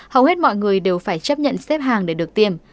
hầu hết mọi người đều phải chấp nhận xếp hàng để được tiền